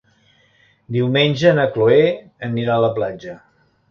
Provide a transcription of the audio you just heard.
Diumenge na Chloé anirà a la platja.